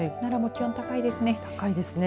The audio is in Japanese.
奈良も気温、高いですね。